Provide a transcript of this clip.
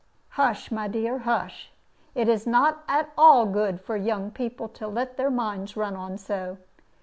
"Hush, my dear, hush! It is not at all good for young people to let their minds run on so.